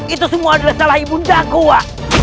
itu semua adalah salah ibu andaku wa